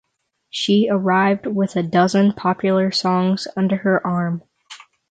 She arrived with a dozen popular songs under her arm.